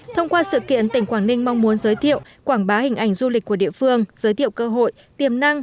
thông qua sự kiện tỉnh quảng ninh mong muốn giới thiệu quảng bá hình ảnh du lịch của địa phương giới thiệu cơ hội tiềm năng